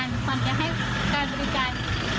มันจะให้การบริการ